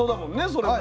それも。